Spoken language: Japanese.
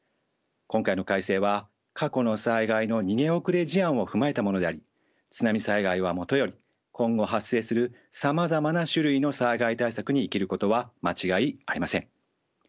今回の改正は過去の災害の逃げ遅れ事案を踏まえたものであり津波災害はもとより今後発生するさまざまな種類の災害対策に生きることは間違いありません。